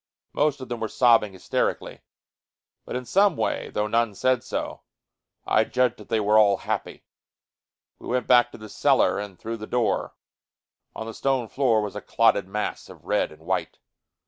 Most of them were sobbing hysterically, but, in some way, though none said so, I judged that they were all happy. We went back to the cellar and through the door. On the stone floor was a clotted mass of red and white.